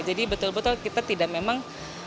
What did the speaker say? jadi betul betul kita tidak memang